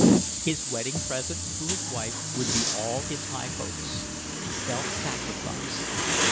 His wedding present to his wife would be all his high hopes. Self sacrifice!